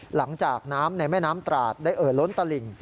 หลังจากน้ำในแม่น้ำตราดได้เอ่อล้นตลิ่ง